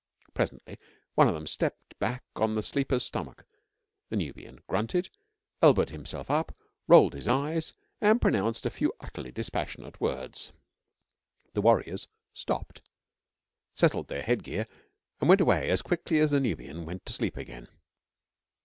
Presently, one of them stepped back on the sleeper's stomach. The Nubian grunted, elbowed himself up, rolled his eyes, and pronounced a few utterly dispassionate words. The warriors stopped, settled their headgear, and went away as quickly as the Nubian went to sleep again.